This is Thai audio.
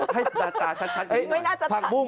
ให้ตาชัดอีกหน่อย